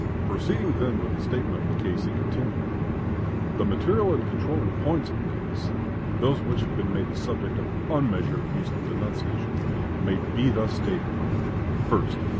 Proceeding then with a statement of the case, he continued: "The material and controlling points in the case, those which have been made the subject of unmeasured abuse and denunciation, may be thus stated: 1st.